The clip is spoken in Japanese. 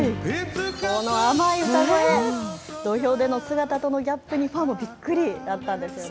この甘い歌声、土俵での姿とのギャップにファンもびっくりだったんですね。